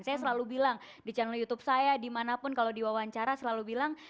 saya selalu bilang di channel youtube saya dimanapun kalau diwawancara selalu bilang